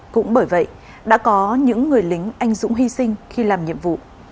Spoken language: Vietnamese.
cũng bởi vậy đã có những người lính anh dũng hy sinh khi làm nhiệm vụ